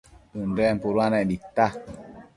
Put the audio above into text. ënden puduanec nidta